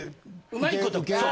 うまいこと。